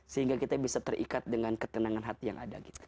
sehingga kita bisa terikat dengan ketenangan hati yang ada gitu